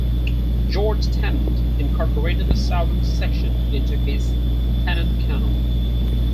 George Tennant incorporated the southern section into his Tennant Canal.